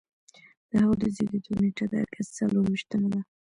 د هغه د زیږیدو نیټه د اګست څلور ویشتمه ده.